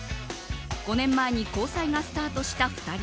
５年前に交際がスタートした２人。